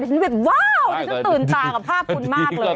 แบบว้าวดิฉันตื่นตากับภาพคุณมากเลย